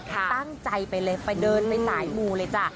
ตั้งใจไปเลยไปเดินไปสายมูเลยจ้ะ